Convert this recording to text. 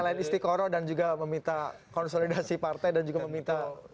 selain istiqoroh dan juga meminta konsolidasi partai dan juga meminta